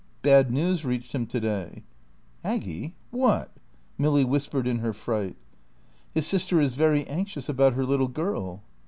"Bad news reached him to day." "Aggy what?" Milly whispered in her fright. "His sister is very anxious about her little girl."